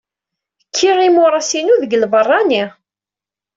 Kkiɣ imuras-inu deg lbeṛṛani.